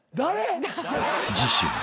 ［次週］